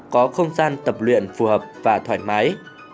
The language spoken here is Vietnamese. có không gian tập luyện phù hợp và thoải mái